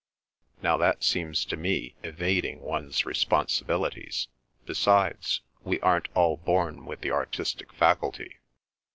Now that seems to me evading one's responsibilities. Besides, we aren't all born with the artistic faculty."